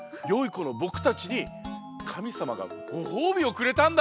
このぼくたちにかみさまがごほうびをくれたんだよ！